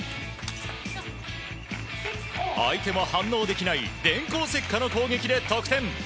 相手は反応できない電光石火の攻撃で得点。